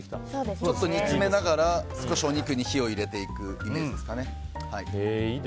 ちょっと煮詰めながら少しお肉に火を入れていくイメージですね。